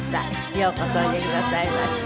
ようこそおいでくださいました。